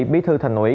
bí thư thành ủy